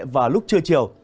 và lúc chưa chiều